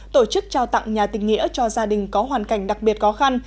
tổ chức trao tặng nhà tình nghĩa cho gia đình có hoàn cảnh đặc biệt khó khăn